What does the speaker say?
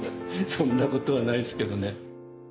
そんなことはないですけどね。